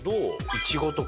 イチゴとか？